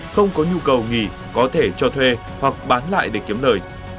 không có nhu cầu nghỉ có thể cho thuê hoặc bán lại để kiếm lời